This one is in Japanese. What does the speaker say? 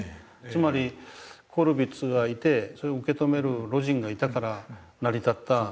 つまりコルヴィッツがいてそれを受け止める魯迅がいたから成り立った。